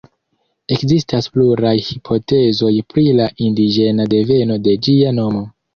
Ekzistas pluraj hipotezoj pri la indiĝena deveno de ĝia nomo.